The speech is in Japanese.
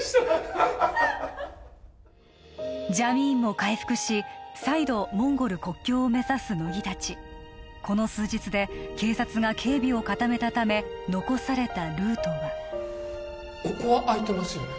ハハハジャミーンも回復し再度モンゴル国境を目指す乃木達この数日で警察が警備を固めたため残されたルートはここは空いてますよね